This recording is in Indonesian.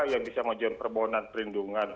yang bisa mengajukan permohonan perlindungan